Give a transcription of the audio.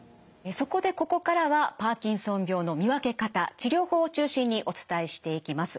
そこでここからはパーキンソン病の見分け方治療法を中心にお伝えしていきます。